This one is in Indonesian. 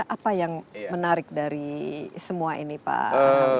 apa yang menarik dari semua ini pak